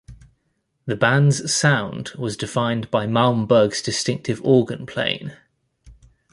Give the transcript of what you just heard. The band's sound was defined by Malmberg's distinctive organ playing.